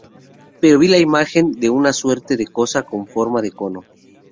Pero vi la imagen de una suerte de cosa con forma de cono.